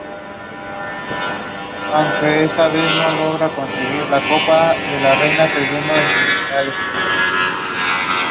Los siguientes trece años vivió tranquilamente en Roma, dedicado a educar a sus hijos.